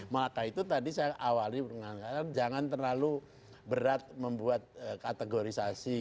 maka itu tadi saya awali mengatakan jangan terlalu berat membuat kategorisasi